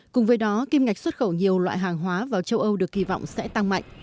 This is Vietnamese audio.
cùng với đó kim ngạch xuất khẩu nhiều loại hàng hóa vào châu âu được kỳ vọng sẽ tăng mạnh